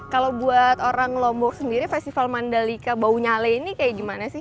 kalau buat orang lombok sendiri festival mandalika bau nyale ini kayak gimana sih